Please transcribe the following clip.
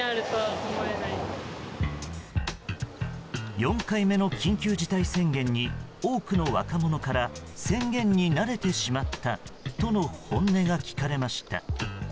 ４回目の緊急事態宣言に多くの若者から宣言に慣れてしまったとの本音が聞かれました。